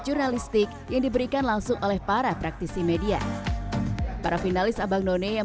jurnalistik yang diberikan langsung oleh para praktisi media para finalis abang none yang